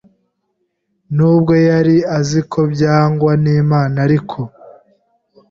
n’ubwo yari azi ko byangwa n’Imana ariko